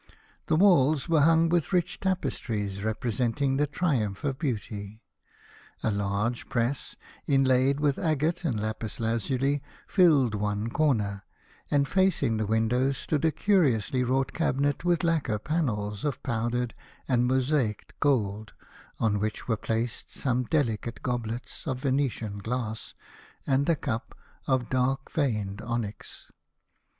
The walls were hung with rich tapestries re presenting the Triumph of Beauty. A large press, inlaid with agate and lapis lazuli, filled one corner, and facing the window stood a curiously wrought cabinet with lacquer panels of powdered and mosaiced gold, on which were placed some delicate goblets of Venetian glass, and a cup of dark veined onyx.